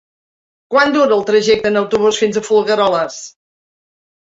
Quant dura el trajecte en autobús fins a Folgueroles?